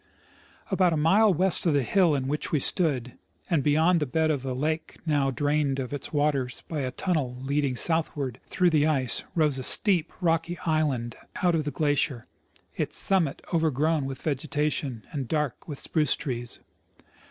About a mile west of the hill on which we stood, and beyond the bed of a lake now drained of its waters by a tunnel leading southAvard through the ice, rose a steep, rocky island out of the glaciers, its summit OA'^ergrown Avith A^egetation and dark with spruce trees.